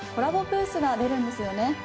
ブースが出るんですよね。